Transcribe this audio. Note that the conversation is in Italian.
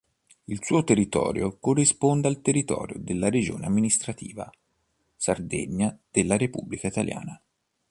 Il suo territorio corrisponde al territorio della regione amministrativa Sardegna della Repubblica Italiana.